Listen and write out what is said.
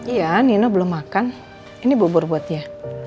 iya nina belum makan ini bubur buat dia